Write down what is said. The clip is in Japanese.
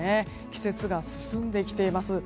季節が進んできています。